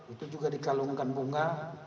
itu juga dikalungkan bunga